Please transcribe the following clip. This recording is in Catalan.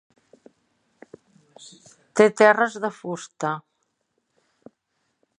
Té terres de fusta.